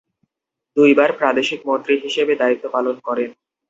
দুইবার প্রাদেশিক মন্ত্রী হিসেবে দায়িত্ব পালন করেন।